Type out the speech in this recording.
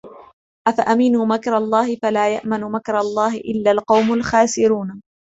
أفأمنوا مكر الله فلا يأمن مكر الله إلا القوم الخاسرون